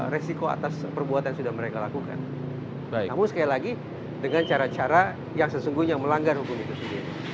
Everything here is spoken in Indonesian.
resiko atas perbuatan sudah mereka lakukan namun sekali lagi dengan cara cara yang sesungguhnya melanggar hukum itu sendiri